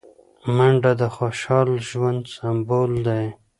منډه د خوشحال ژوند سمبول دی